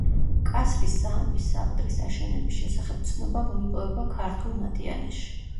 კასრის სამების საყდრის აშენების შესახებ ცნობა მოიპოვება ქართულ მატიანეში.